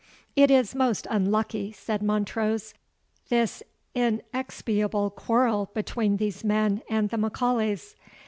"It is most unlucky," said Montrose, "this inexpiable quarrel between these men and the M'Aulays.